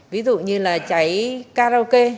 ví dụ như là cháy karaoke